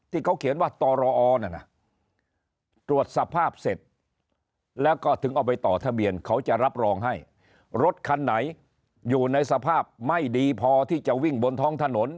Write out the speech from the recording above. ที่เขาเขียนว่าตรอนั่นน่ะตรวจสภาพเสร็จแล้วก็ถึงเอาไปต่อทะเบียนเขาจะรับรองให้รถคันไหนอยู่ในสภาพไม่ดีพอที่จะวิ่งบนท้องถนน